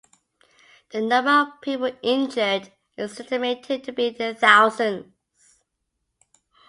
The number of people injured is estimated to be in the thousands.